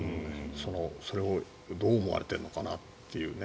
それをどう思われているのかなって。